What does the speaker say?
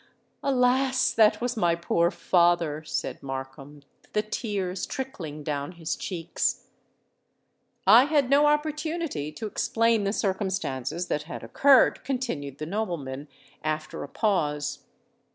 "Alas! that was my poor father!" said Markham, the tears trickling down his cheeks. "I had no opportunity to explain the circumstances that had occurred," continued the nobleman, after a pause.